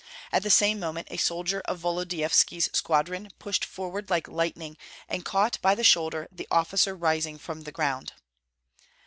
At the same moment a soldier of Volodyovski's squadron pushed forward like lightning, and caught by the shoulder the officer rising from the ground.